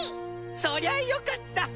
そりゃよかった！